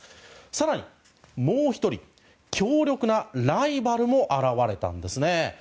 更に、もう１人強力なライバルも現れたんですね。